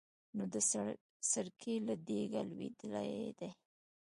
نو د سرکې له دېګه لوېدلی دی.